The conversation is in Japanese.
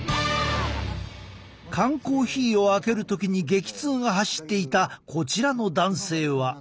缶コーヒーを開ける時に激痛が走っていたこちらの男性は。